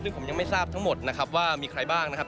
ซึ่งผมยังไม่ทราบทั้งหมดนะครับว่ามีใครบ้างนะครับ